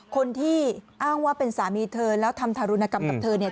คนที่อ้างว่าเป็นสามีเธอแล้วทำทารุณกรรมกับเธอเนี่ย